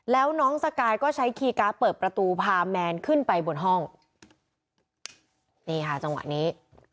แล้วน้องสกายก็ใช้คีย์การ์ดเปิดประตูพาแมนขึ้นไปบนห้องนี่ค่ะจังหวะนี้